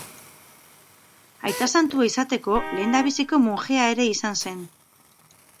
Aita santua izateko lehendabiziko monjea ere izan zen.